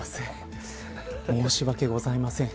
申し訳ございません。